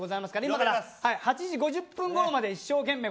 今から８時５０分ごろまで一生懸命。